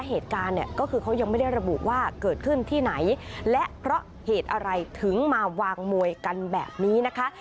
เหตุการณ์เนี่ยก็คือเขายังไม่ได้ระบุว่าเกิดขึ้นที่ไหนและเพราะเหตุอะไรถึงมาวางมวยกันแบบนี้นะคะ